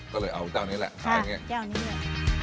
ก็เลยเอาเจ้านี้แหละค่ะเจ้านี้เลย